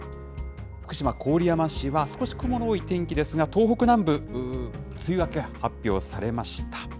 福島・郡山市は少し雲の多い天気ですが、東北南部、梅雨明け発表されました。